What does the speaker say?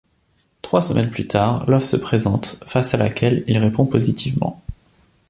Trois semaines plus tard, l'offre se présente, face à laquelle il répond positivement.